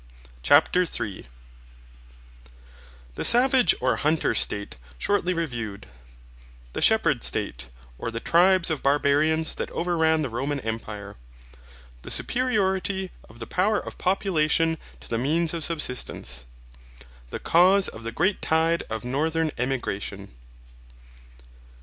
CHAPTER 3 The savage or hunter state shortly reviewed The shepherd state, or the tribes of barbarians that overran the Roman Empire The superiority of the power of population to the means of subsistence the cause of the great tide of Northern Emigration.